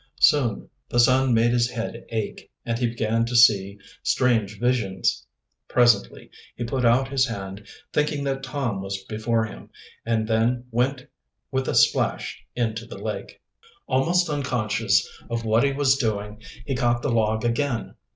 Soon the sun made his head ache, and he began to see strange visions. Presently he put out his hand, thinking that Tom was before him, and then went with a splash into the lake. Almost unconscious of what he was doing, he caught the log again.